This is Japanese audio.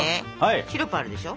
シロップあるでしょ。